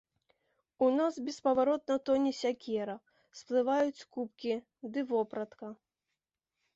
У нас беспаваротна тоне сякера, сплываюць кубкі ды вопратка.